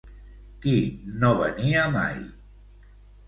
Qui no venia mai?